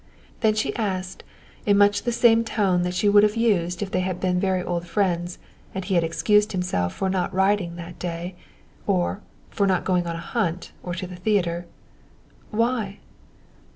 Then she asked, in much the same tone that she would have used if they had been very old friends and he had excused himself for not riding that day, or for not going upon a hunt, or to the theater: "Why?"